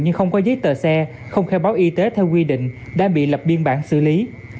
nhưng không có giấy tờ xe không khai báo y tế theo quy định đã bị lập biên bản xử lý